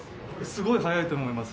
すごい早いと思います。